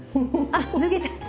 あっ脱げちゃう！